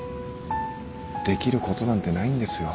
できることなんてないんですよ。